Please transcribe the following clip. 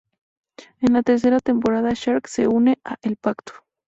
En la tercera temporada Sark se une a El Pacto.